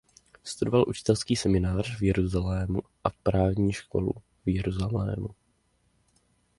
Studoval učitelský seminář v Jeruzalému a právní školu v Jeruzalému.